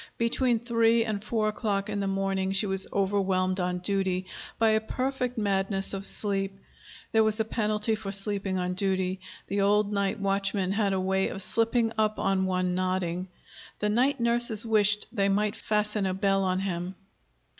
Between three and four o'clock in the morning she was overwhelmed on duty by a perfect madness of sleep. There was a penalty for sleeping on duty. The old night watchman had a way of slipping up on one nodding. The night nurses wished they might fasten a bell on him!